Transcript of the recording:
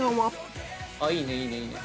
いいねいいねいいね。